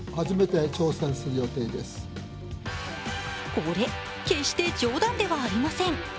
これ、決して冗談ではありません。